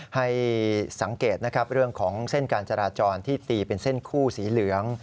ให้สังเกตนะครับเรื่องของเส้นการจราจรที่ตีเป็นเส้นคู่สีเหลือง